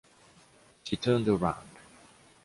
She turned around.